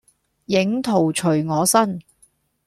影徒隨我身。